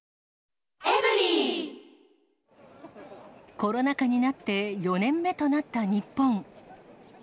コロナ禍になって４年目となった日本。